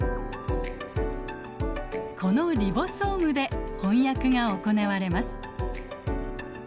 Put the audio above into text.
このリボソームで翻訳が行われます。